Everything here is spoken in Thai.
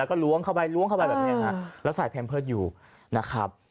ก็ล้วงเข้าไปล้วงเข้าไปแบบนี้ฮะแล้วใส่แพมเพิร์ตอยู่นะครับ